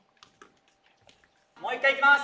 もう一回いきます！